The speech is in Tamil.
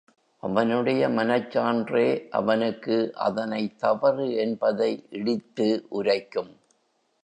அவனுடைய மனச் சான்றே அவனுக்கு அதனைத் தவறு என்பதை இடித்து உரைக்கும்.